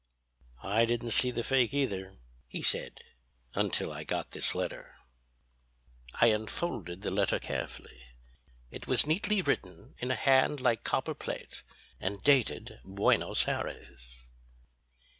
"I didn't see the fake either," he said, "until I got this letter." I unfolded the letter carefully. It was neatly written in a hand like copper plate and dated Buenos Aires.